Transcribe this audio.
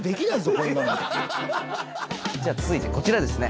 こんなの。じゃあ続いてこちらですね。